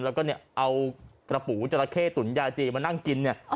แล้วก็เนี่ยเอากระปูจราเข้ตุ๋นยาจีนมานั่งกินเนี่ย